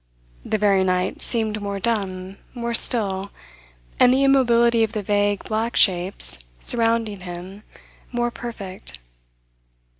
The very night seemed more dumb, more still, and the immobility of the vague, black shapes, surrounding him more perfect.